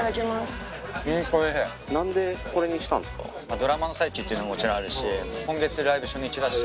ドラマの最中っていうのもちろんあるし今月ライブ初日だし。